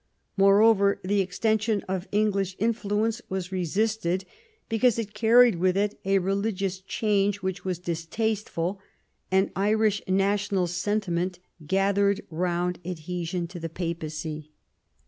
Moreover, the extension of English influence was resisted because it carried with it a religious change which was distasteful ; and Irish national sentiment gathered round adhesion to the Papacy.